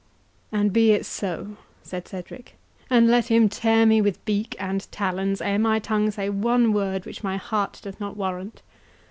"And be it so," said Cedric; "and let him tear me with beak and talons, ere my tongue say one word which my heart doth not warrant.